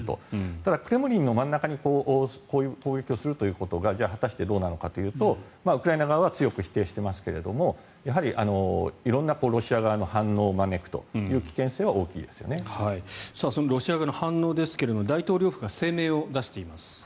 ただ、クレムリンの真ん中にこういう攻撃をするということが果たしてどうなのかというとウクライナ側は強く否定していますがやはり色んなロシア側の反応を招くというそのロシア側の反応ですが大統領府が声明を出しています。